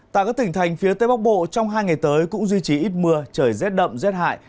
tại các tỉnh thành phía tây bắc bộ trong hai ngày tới cũng duy trì ít mưa trời rét đậm rét hại